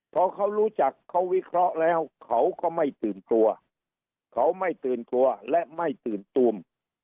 พอเขารู้จักเขาวิเคราะห์แล้วเขาก็ไม่ตื่นกลัวเขาไม่ตื่นกลัวและไม่ตื่นตูม